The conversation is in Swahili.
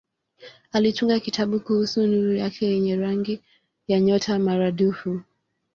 Alitunga kitabu kuhusu nuru yenye rangi ya nyota maradufu.